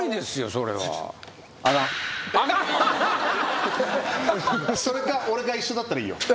それか俺が一緒だったらいいよ。